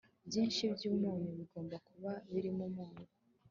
Byinshi byumunyu bigomba kuba birimo umunyu